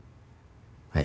はい。